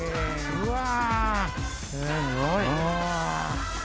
うわー、すごい。